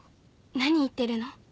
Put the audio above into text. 何言ってるの？